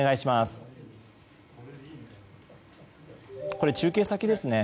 これ、中継先ですね。